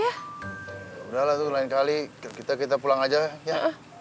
yaudah lah tuh lain kali kita pulang aja ya